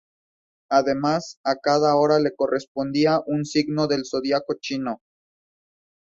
Además, a cada hora le correspondía un signo del zodíaco chino.